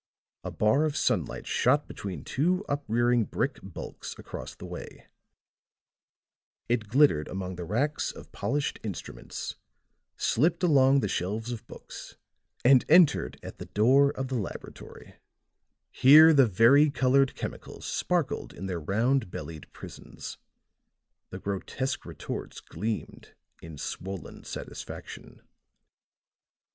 A bar of sunlight shot between two up rearing brick bulks across the way; it glittered among the racks of polished instruments, slipped along the shelves of books and entered at the door of the laboratory; here the vari colored chemicals sparkled in their round bellied prisons; the grotesque retorts gleamed in swollen satisfaction.